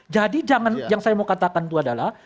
jangan yang saya mau katakan itu adalah